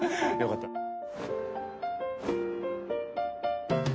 よかったな。